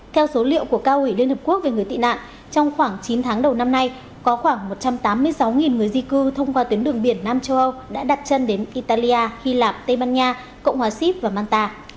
theo số liệu của cao ủy liên hợp quốc về người tị nạn trong khoảng chín tháng đầu năm nay có khoảng một trăm tám mươi sáu người di cư thông qua tuyến đường biển nam châu âu đã đặt chân đến italia hy lạp tây ban nha cộng hòa sip và manta